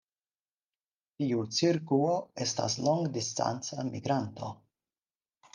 Tiu cirkuo estas longdistanca migranto.